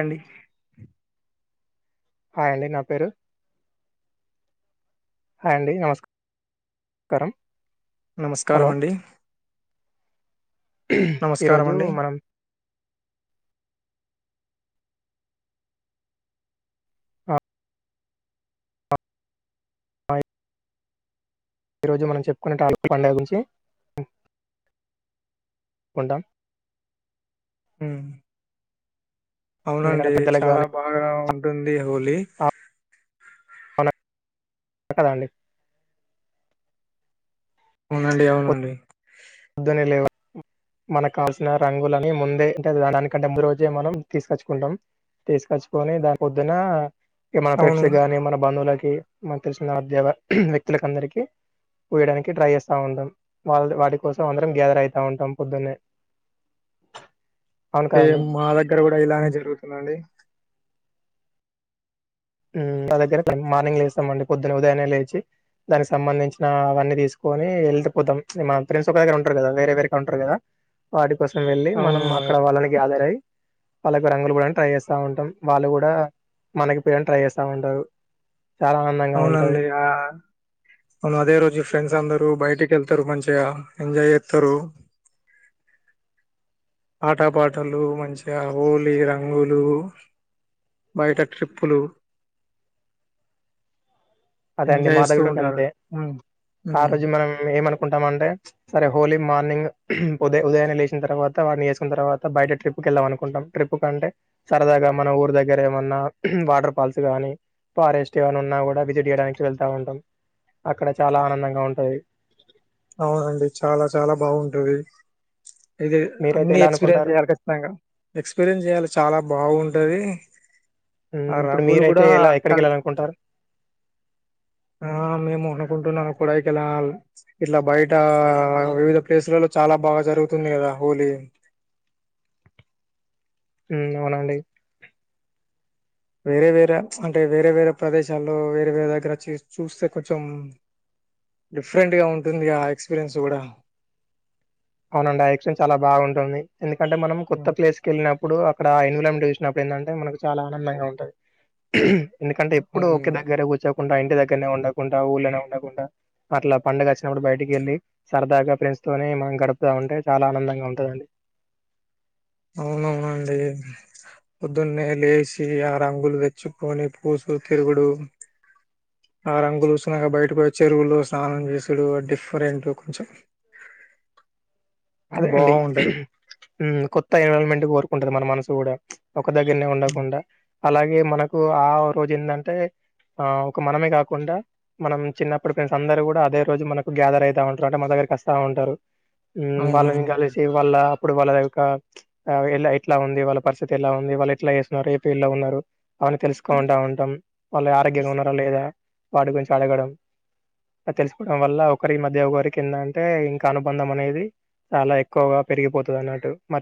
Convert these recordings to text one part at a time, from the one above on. అండి హాయ్ అండి నా పేరు హాయ్ అండి నమస్క కారం నమస్కారమండి ఈరోజు మనం ఆహ్, హై ఈ రోజు మనం చెప్పుకునే టాల్ కు పండుగ గురించి కొండాం ఉ ఎందుకంటే అవునండి పెద్దలకు చాలా గాని బాగా ఉ ఉంది హోలీ కద అండి అవునండి అవునండి పొద్దునే లేవ మన కావాల్సిన రంగులని ముందే అంటే దా దానికంటే ముందు రోజే మనం తీసుకొచ్చుకుంటాం తీసుకొచ్చుకొని దాని పొద్దున ఇగ మన ఫ్రెండ్స్ అవును. కాని మన బంధువులగా ఏ మనకు తెలిసిన ఉద్యోగ వ్యక్తుల కందరికి పొయ్యడానికి ట్రై చేస్తా ఉంటాం వాళ్ళు వాటికి కోసం అందరం గ్యాదర్ అయితా ఉంటాం పొద్దునే సేమ్ మా దగ్గర కూడా ఇలానే జరుగుతుందండి నా దగ్గర మార్నింగ్ లేస్తాంమండి పొద్దున్న ఉదయాన్నే లేచి దానికి సంబంధించిన అవన్నీ తీసుకొని వెళ్ళిపోతాం మన ఫ్రెండ్స్ ఒక దగ్గర ఉంటారు కదా వేరే వేరే కడుంటరు కదా వాటి కోసం వెళ్ళి మనం అవును. అక్కడ వాళ్ళని గ్యాదర్ అయి వాళ్ళకు రంగులు పూయడానికి ట్రై చేస్తా ఉంటాం వాళ్ళు కూడా మనకి పుయ్యడానికి ట్రై చేస్తా ఉంటారు చాలా ఆనందంగా ఉంటది అవునండి ఆ అదే రోజు ఫ్రెండ్స్ అందరూ బయటికి వెళ్తారు మంచిగా ఎంజాయ్ చేస్తారు ఆట పాటలు మంచిగా హోలీ రంగులు బయట ట్రిప్పులు అదేండి ఎంజాయ్ మా చేస్తూ దగ్గరా గూడా ఉంటారు అంతే ఉమ్ ఆ ఉమ్ రోజు మనం ఏమనుకు కుంటా అంటే సరే హోలీ మార్నింగ్ ఉద ఉదయాన్న లేచిన తర్వాత వాని వేసుకున్న తర్వాత బయట ట్రిప్ వెళ్దాంనుకుంటాం ట్రిప్ కంటే సరదాగా మన ఊరు దగ్గర ఏమన్నా వాటర్ ఫాల్స్ గాని ఫారెస్ట్ గాని ఉన్నా కూడా విజిట్ తీయడానికి వెళ్తా ఉంటాం అక్కడ చాలా ఆనందంగా ఉంటది అవునండి చాలా చాలా బాగుంటుది ఇది మీరైతే అన్ని ఎలా ఎక్స్పీరియన్స్ అనుకుంటారు చేయాలి ఖచ్చితంగా ఎక్స్పీరియన్స్ చెయాలి చాలా బాగుం ఉంటది ఉమ్, ఆ ఇప్పుడు రంగులు మీరైతే కూడా ఎలా ఎక్కడికి కల్ వెళ్ళాలనుకుంటారు ఆ మేము కుంటున్నాం కొడయికెనాల్ ఇట్లా బయట వివిధ ప్లేసులలో చాలా బాగా జరుగుతుంది కదా హోలీ ఉ అవునండి వేరే వేరే అంటే వేరే వేరే ప్రదేశాల్లో వేరే వేరే దగ్గర చే చూస్తే కొంచెం డిఫరెంట్గా ఉంటుంది ఆ ఎక్స్పీరియన్స్ కూడా అవునండి ఆయాక్షన్ చాలా బాగుంటుంది ఎందుకంటే మనం కొత్త ప్లేస్ కెళ్ళినప్పుడు అక్కడ ఐన చూసినప్పుడు ఏంటంటే మనకు చాలా ఆనందంగా ఉంటది ఎందుకంటే ఎప్పుడూ ఒకే అవును దగ్గర కూర్చో ఉంటా ఇంటి దగ్గనే ఉండకుంటా ఊళ్ళనే ఉండకుంటా అట్లా పండుగ వచ్చినప్పుడు బయటికి వెళ్ళి సరదాగా ఫ్రెండ్స్ తోనే మనం గడ ఉంటే చాలా ఆనందంగా ఉంటదండి అవునవునండి పొద్దున్నే లేచి ఆ రంగులు తెచ్చుకొని పూసుకూ తిరుగుడు ఆ రంగులు పూసిన బయటకొచ్చి చెరువులు స్నానం చేసుడు డిఫరెంట్ కొంచెం అదే అండి బాగుంటది హ్మ్ కొ త్త ఎన్విరాన్మెంట్ కోరుకుంటది మన మనసు కూడా ఒక దగ్గరనే ఉమ్, ఉండకుండా అలాగే మనకు ఆ రోజు ఏందంటే ఆ ఒక మనమే కాకుండా మనం చిన్నప్పుటి ఫ్రెండ్స్ అందరు కూడా అదే రోజు మనకు గ్యాదర్ అయితా ఉంటారు అంటే మన దగ్గరికి వస్తా ఉంటారు హ్మ్ వాళ్ళని అవునవును కలిసి వాళ్ళ ఇప్పుడు వాళ్ళ ఎలా ఎట్లా ఉంది వాళ్ళ పరిస్థితి ఎలా ఉంది వాళ్ళు ఎట్లా వేస్తున్నారు ఏ ఫీల్డ్ లో ఉన్నారు అవన్నీ తెలుసుకుంటా ఉంటాం వాళ్ళు ఆరోగ్యంగా ఉన్నారా లేదా వాటి గురించి అడగడం అ తెలుసుకోవడం వల్ల ఒకరి మధ్య ఒకరికి ఎందంటే ఇంకా అనుబంధం అనేది చాలా ఎక్కువగా పెరిగిపోతది అన్నట్టు మ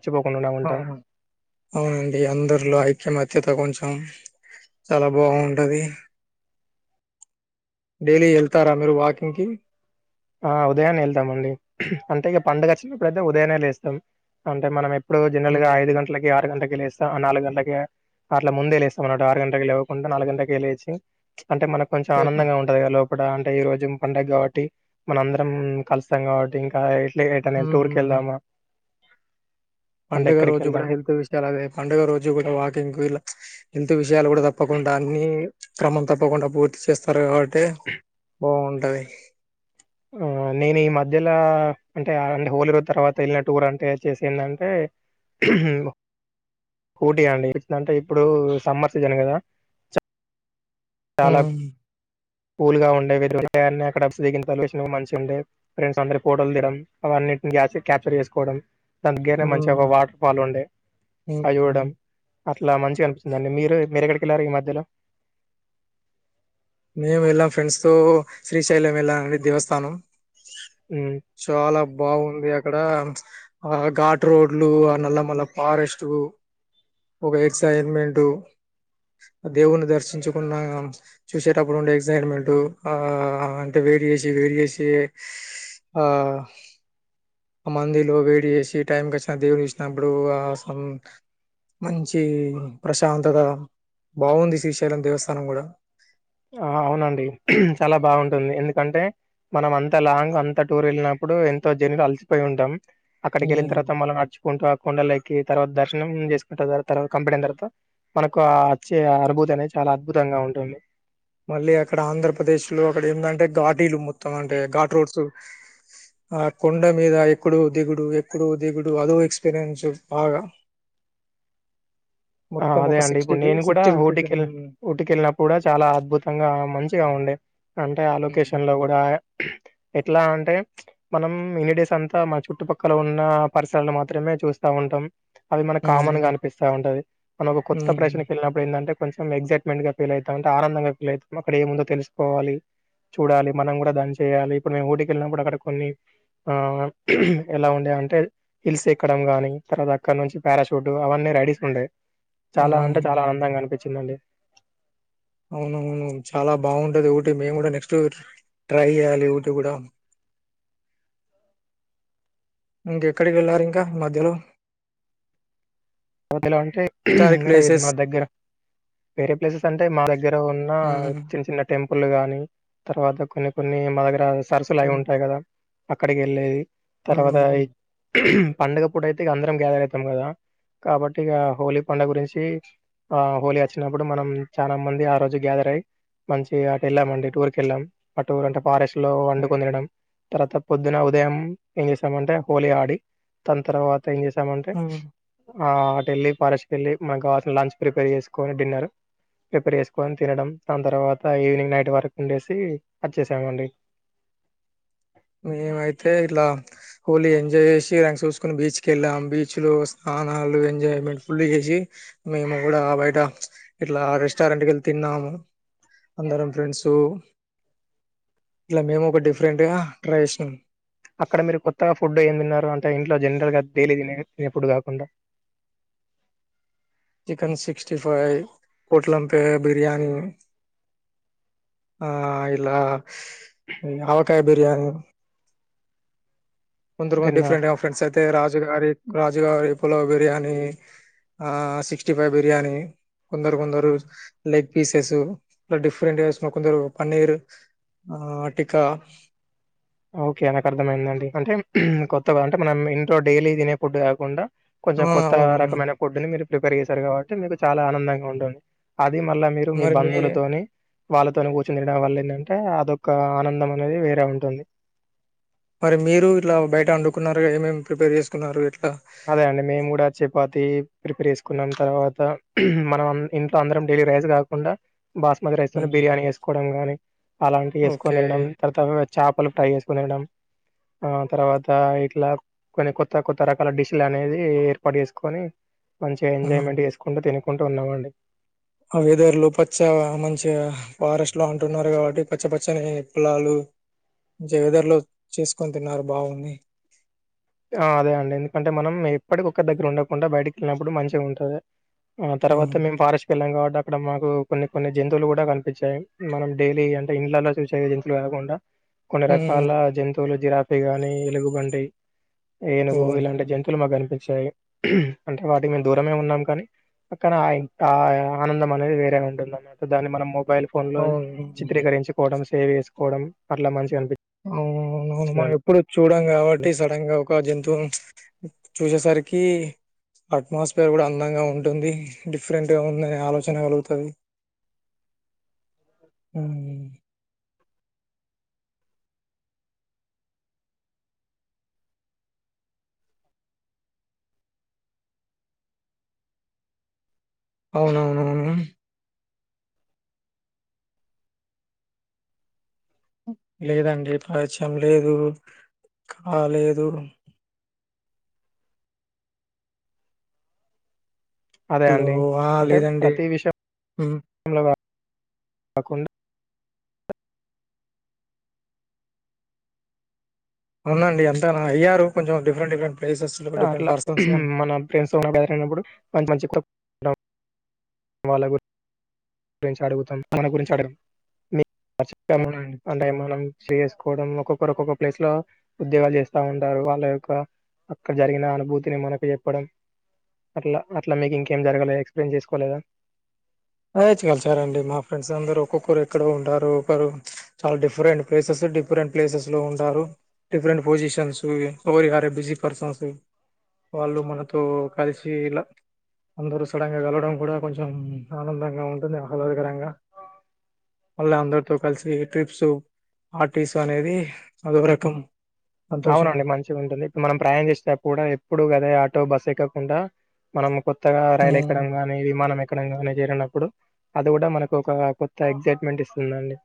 అవునండి అందరిలో ఐక్యమత్యత కొంచెం చాలా బాగుంటది డైలీ వెళ్తారా మీరు వాకింగ్ కి ఆ ఉదయాన్నే వెళ్తాం అండి అంటే ఇక పండుగ వచ్చినప్పుడుయితే ఉదయాన్నే లేస్తాం అంటే మనం ఎప్ ప్పుడో జనరల్ గా మ్మ్ ఐదు గంటలకి ఆరు గంటలకి లేస్ నాలుగు గంటలకి అట్లా ముందేలేస్తాం అన్నమాట ఆరు గంటకి లేవ్వకుండా నాలుగు గంటకే లేచి అంటే మనకు కొంచం చెప్ప ఆనందంగా ఉంటది గా లో ఇప్పుడ అంటే ఈ రోజు పండగ కాబట్టి మన అందరం కలుస్తాం కాబట్టి ఇంకా ఏ ఏటనే టూర్కి మ్మ్ వెళ్దామా అంటే పండుగ ఎక్కడికి రోజు కూడా వెళ్దాం హెల్త్ విషయాలు అదే పండుగ రోజు కూడా వాకింగ్ కు ఇలా హెల్త్ విషయాలు కూడా తప్ తప్పకుండా అన్ని క్రమం తప్పకుండా పూర్తి చేస్తారు కాబట్ తేన బాగుంది అది ఆ నేను ఈ మధ్యలో అంటే అంటే హోలీ రోజు తర్వాత వెళ్ళిన టూర్ అంటే వచ్చేసింది ఏంది అంటే ఊటీ అండి ఎట్లాంటే ఇప్పుడు సమ్మర్ సీజన్ కదా చా హు కూల్ గా ఉండేవి దొరిక అన్నీ అక్కడ ఫ్రీ గా ఇన్ఫర్మేషన్ మంచి ఉండే ఫ్రెండ్స్ అందరి ఫోటోలు తియడం అవన్నీ క్యాప్చర్ చేసుకోవడం దగ్గరే హ్మ్ మంచిగా ఒక వాటర్ ఫాల్ ఉండే అవి హ్మ్ చూడడం అట్లా మంచి అనిపిస్తుందిండి మీరు మీరెక్కడికి వెళ్ళారు ఈ మధ్యలో మేము వెళ్ళాం ఫ్రెండ్స్ తో శ్రీశైలం వెళ్లానండి దేవస్థానం ఉమ్ చాలా బాగుంది అక్ అక్కడ ఆ ఘాట్ రోడ్లు ఆ నల్లమల్ల ఫారెస్ట్ ఒక ఎక్సైన్మెంట్ దేవుని దర్శించుకున్న చూసేటప్పుడు ఉండే ఎక్సైట్మెంట్ ఆ అంటే వెయిట్ చేసి వెయిట్ చేసి ఆ ఆ మందిలో వెయిట్ చేసి టైంకి వచ్చిన దేవుడు చసినప్పుడు ఆ సన్ మంచి ప్రశాంతత బాగుంది శ్రీశైలం దేవస్థానం కూడా ఆ అవునండి చాలా బాగుంటుంది ఎందుకంటే మనం అంత లాంగ్ అంత టూర్ వెళ్ళినప్పుడు ఎంతో జర్నీలు అలసిపోయి ఉంటాం అక్కడికి వెళ్ళిన తర్వాత మల్లా నడుచుకుంటూ ఆ కొండ లేక్ కేకీ తర్వాత దర్శనం చేసుకుంటా తర్వాత కంప్లీట్ అయిన తర్వాత మనకు ఆ వచ్చే అనుభూతి అనేది చాలా అద్భుతంగా ఉంటుంది మళ్ళీ అక్కడ ఆంధ్రప్రదేశ్ లో అక్కడ ఏందంటే ఘాటీలు మొత్తం. అంటే ఘాట్ రోడ్స్! ఆ కొండ మీద ఎక్కడ దిగుడు ఎక్కడ దిగుడు అదో ఎక్స్పీరియన్స్ బాగా, ఆ మొత్తం అదే ఒక అండి సిక్స్టీ ఇప్పుడు ఫి నేను కూడా సిక్స్టీ ఊటీ ఫిఫ్టీ కెల్ ఊటీ కెళ్ళినప్పుడు కూడా చాలా అద్భుత మంగా మంచిగా ఉండే అంటే ఆ హ్మ్ లొకేషన్ లో కూడా ఎట్లా అంటే ఉహ్ మనం ఇన్ని డేస్ అంతా మన చుట్టుపక్కల ఉన్న పరిష్కరాలు మాత్రమే చూస్తా ఉంటాం అది మనకు హ్మ్ కామన్ గా హ్మ్. అనిపిస్తా ఉంటది మనము కొత్త హ్మ్. ప్రదేశానికి వెళ్ళినప్పుడు ఏంది అంటే కొంచెం ఎక్సైట్మెంట్ గా ఫీల్ అయితా ఉంటా అంటే ఆనందంగా ఫీల్ అవుతాం అక్కడ ఏముందో తెలుసుకోవాలి చూడాలి మనం కూడా దాన్ని చేయాలి ఇప్పుడు మేము ఊటీ కి వెళ్లినప్పుడు అక్కడ కొన్ని ఆ ఎలా ఉండే అంటే హిల్స్ ఎక్కడం కాని తర్వాత అక్కడ నుంచి పారాషూట్ అవన్నీ రైడీస్ ఉంటాయి చాలా అంటే చాలా అవును. ఆనందంగా అనిపించిందండి అవునవును చాలా బాగుంటది ఊటీకి మేము కూడా నెక్స్ట్ ట్రై చేయాలి ఊటీ కూడా ఇంకా ఎక్కడికి వెళ్లారు మధ్యలో [unintelligible] హిస్టారిక్ అంటే ప్లేసెస్ మా దగ్గర వేరే ప్లేసెస్ అంటే మా దగ్గర ఉన్న హ్మ్ చిన్న చిన్న టెంపుల్ ప్పులు గాని తర్వాత కొన్ని కొన్ని మా దగ్గర పర్సులు అవి హ్మ్ ఉంటాయి కదా అక్కడికి వెళ్ళేది తర్వాత హ్మ్ పండగపూటైతే ఇగ అందరం గ్యాదర్ అవుతాం కదా కాబట్టి ఇక హోలీ పండగ గురించి ఆ హోలీ వచ్చినప్పుడు మనం చాలా మంది ఆ రోజు గ్యాదర్ అయి మంచిగా అటు వెళ్ళామండి టూర్ కి వెళ్ళాం ఆ టూర్ అంటే ఫారెస్ట్ లో వండుకో తినడం తర్వాత పొద్దున ఉదయం ఏం చేసామంటే హోలీ ఆడి దాని తర్వాత త్ ఎం చేసామంటే హ్మ్ ఆ అటెలి కాలేజీ కి వెళ్ళి మాకు కాల్సిన లంచ్ ప్రిపేర్ చేసుకొని డిన్నర్ ప్రిపేర్ చేసుకొని తినడం దాని తర్వాత ఈవినింగ్ నైట్ వరకు ఉండేసి వచ్చేసామండి ఏమైతే ఇలా హాలీ ఎంజాయ్ చేసి కుని బీచ్ వెళ్ళాము బీచ్లో స్నానాలు ఎంజాయ్మెంట్ ఫుల్ చేసి మేము కూడా బయట ఇట్లా రెస్టారెంట్కి వెళ్ళి తిన్నాము అందరం ఫ్రెండ్స్ ఇట్లా మేము ఇక డిఫరెంట్గా క్రేషన్ అక్కడ మీరు కొత్తగా ఫుడ్ ఏం తిన్నారు అంటే ఇంట్లో జనరల్గా డైలీ తినే తినే ఫుడ్ కాకుండా? చికెన్ సిక్స్టీ ఫైవ్ కోట్లంపే బిర్యానీ ఆ ఇలా హ్మ్ అవకాయ్ బిర్యానీ దాని తర్వాత తిన్న డిఫరెంట్ గా ఫ్రండ్స్ అయితే రాజు గారి రాజుగారి పులవ్ బిర్యానీ ఆ సిక్స్టీ ఫైవ్ బిర్యానీ కొందరు కొందరు లెగ్ పీసెస్ ఇలా డిఫరెంట్ గా ఏసుని కొందరు పన్నీర్ ఆ టిక్కా ఓకే నాకు అర్థమయిందండి అంటే కొత్తగా అంటే మనం ఇంట్లో డైలీ తినే ఫుడ్ కాకుండా కొంచెం ఆ కొత్త అవును అవును. రకమైన ఫుడ్ ని మీరు ప్రిపేర్ చేస్త చేస్తారు కాబట్టి మీకు చాలా ఆనందంగా ఉంటుంది. అది మళ్ళా మీరు మీ బంధువులతోని వాళ్ళతోని కూర్చొని తిినడం వల్ల ఏంటంటే అదొక్క ఆనందం అనేది వేరే ఉంటుంది. మరి మీరు ఇట్లా బయట వండుకున్నారు ఏమేమి ప్రిపేర్ చేసుకున్నారు ఇట్లా? అదే అండి మేము కూడా చపాతి ప్రిపర్ చేసుకున్నాం తర్వాత మనం ఇంట్లో అందరం డైలీ రైస్ కాకుండా బాస్మతి రైస్తోని బిర్యానీ చేసుకోవడం గాని అలాంటివి వేసుకని ఓకే తినడం తర్త చాపలు ఫ్రై చేసుకుని తినడం ఆ తర్వాత ఇట్లా కొన్ని కొత్త కొత్త రక అల డిష్లు అనేది ఏర్పాటు చేసుకొని మంచి గా ఉమ్. ఎంజొయ్మెంట్ చేసుకుంటు తినుకుంటూ వంట వండినావండి ఆ వెదర్ లో పచ్చ మంచిగా ఫారెస్ట్ లో అంటున్నారు కాబట్టి పచ్చ పచ్చని పొలాలు మంచిగా వెథర్ లో చేసుకొని తిన్నారు బాగుంది. ఆ అదే అండి ఎందుకంటే మనం ఎప్పటికి ఒక్కరి దగ్గర ఉండకుండా బయటికి వెళ్ళినప్పుడు మంచిగా ఉంటది. ఆ తర్వాత హ్మ్ మేము ఫారెస్ట్ కి వెళ్ళామ్ కాబట్ అక్కడ మాకు కొన్ని కొన్ని జంతువులు కూడా కనిపించాయి మనం డైలీ అంటే ఇండ్లలో చూసేవి జంతువులు కాకుండా కొన్ని రకాల జంతువులు జరా అవిగాని ఎలుగు బంటి ఏనుగు ఓహ్ ఇలాంటి జంతువులు మాకు అనిపిం అంటే వాటికి మేము దూరమే ఉన్నాం కానీ అక్కన ఇంకా ఆనందం అనేది వేరే ఉంటుంది అన్నమాట దాన్ని మనము మొబైల్ ఫోన్ లో అవును చిత్రీకరించుకోవడం సేవ్ చేసుకోవడం అట్లా మంచిగా అనిపించ్ అవును అవును మనం ఎప్పుడు చూడం కాబట్టి సడన్ గా ఒక ఒక జంతువు చూసేసరికి అట్మాస్ఫియర్ కూడా అందంగా ఉంటుంది డిఫరెంట్గా ఉందనే ఆలోచన కలుగుతది... మ్.. అవునవునవును లేదండి పరిచయం లేదు, కాలేదు అదే హలో అండి ఆ అంటే లేదండి ప్రతి మ్ విషయంలో కాకుండా అవునండి అంతన అయ్యారు కొంచెం డిఫరెంట్ డిఫరెంట్ ప్లేసెస్ లో డిఫరెంట్ అట్లా పర్సన్స్ గాని మన ఫ్రేండ్స్ తోన గ్యదర్ ఐనపుడు మంచ్ మంచి కు [unintelligible] వాళ్ళ గురించి అడుగుతాం మన గురించి అడగం మి [unintelligible] అవునండి అంటే మనం [unintelligible] కొడం ఒక్కొక్కరు ఒక్కొక్క ప్లేస్ ల ఉద్యోగాలు చేస్తా ఉంటారు, వాళ్ళ యొక్క ఇక్కడ జరిగిన అనుభూతిని మనకు చెప్పడం అట్లా అట్లా మీకు ఇంకేం జరగలే ఎక్స్ప్లెయిన్ చేసుకోలేదా ఆచ్ కలిసారండి మా ఫ్రెండ్స్ అందరూ ఒక్కొక్కరు ఎక్కడో ఉంటారు చాలా డిఫరెంట్ ప్లేసెస్ డిఫరెంట్ ప్లేసెస్ లో ఉంటారు డిఫరెంట్ పొజిషన్స్ ఎవరికివారే బిజీ పర్సన్స్ వాళ్ళు మనతో కలిసి ఇలా అందరు సడంగా కలవడం కూడా కొంచం ఆనందంగా ఉంటుంది, ఆహ్లాదకరంగా మళ్ళీ అందరితో కలిసి ట్రిప్స్ పార్టీస్ అనేది, అదో రకం సంతోషం. అవునండి మంచిగా ఉంటుంది మనం ప్రయాణం చేస్తేకూడా ఎప్పుడు గదే ఆటో బస్సు ఎక్ కాకుండా మనం కొ కొత్తగా హ్మ్. రైలెక్కడంగాని విమానం ఎ తెలంగణె చేరినప్పుడు అది కూడా మనకు ఒక కొత్త ఎక్సైట్మెంట్ ఇస్తుందండి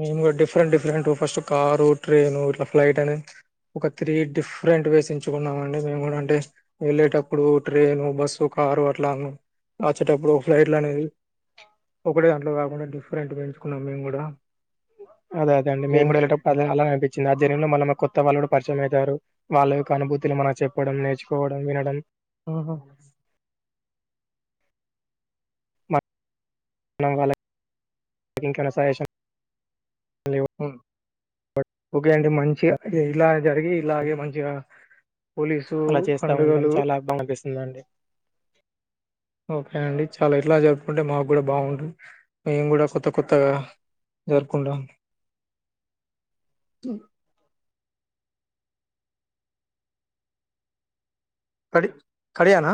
మేమ్ good different different first car train ఇట్ల ఫ్లైట్ అని ఒక త్రి డిప్రేంట్ వేస్ ఎంచుకున్నమండి, అంటె మెమ్ గుడ వెల్లెటప్పుడు ట్రేను, బస్సు, కారు అట్ల వచ్చెటప్పుడు ఫ్లెట్లనె ఒకటి గంట్ల దాక డిఫరెంట్ గా ఎంచుకున్నాం మెమ్ గుడ అదే అదేండి మే కూడా ఎల్లెటప్పుడు అదె అలాగె [unintelligible] కొత్త వాళ్ళు కూడా పరిచయం అయతారు, వాళ్ళ యొక్క అనుభూతులు మన చెప్పడం నేర్చుకోవడం వినడం ఆహ [inaudible] ఇవ్వడం మ్... ఓకే అండి మంచిగ ఇలా జరిగి ఇలాగే మంచిగా పోలీసు అలా చేస్తా ఉంటాం పండుగలు చాలా బాగా అనిపిస్తుందండి. ఓకే అండి చాలా ఇట్లా జరుపుకుంటే మాకు కూడా బాగుంటది, మేము కూడా కొత్త కొత్తగా జరుపుకుంటాం. కడి కడియాణ